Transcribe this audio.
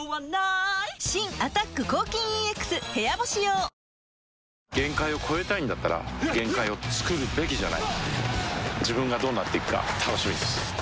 新「アタック抗菌ＥＸ部屋干し用」限界を越えたいんだったら限界をつくるべきじゃない自分がどうなっていくか楽しみです